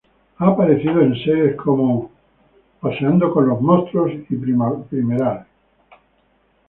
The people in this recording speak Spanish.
Ha aparecido en series como "Walking with Monsters" y "Primeval".